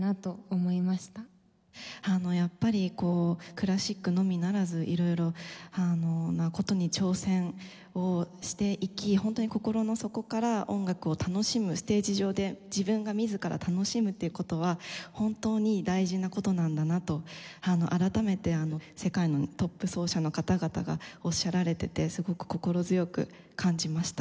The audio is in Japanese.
やっぱりこうクラシックのみならず色々な事に挑戦をしていきホントに心の底から音楽を楽しむステージ上で自分が自ら楽しむっていう事は本当に大事な事なんだなと改めて世界のトップ奏者の方々がおっしゃられててすごく心強く感じました。